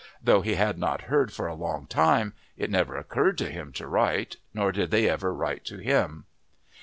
Though he had not heard for a long time it never occurred to him to write, nor did they ever write to him.